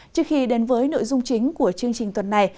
trước khi đến với nội dung chính của chương trình tuần này